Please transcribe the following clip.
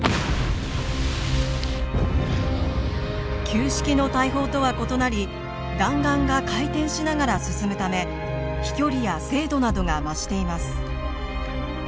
旧式の大砲とは異なり弾丸が回転しながら進むため飛距離や精度などが増しています。